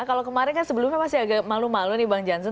kalau kemarin kan sebelumnya masih agak malu malu nih bang jansen